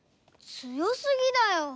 強すぎだよ。